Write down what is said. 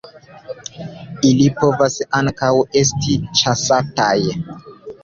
Ili povas ankaŭ esti ĉasataj.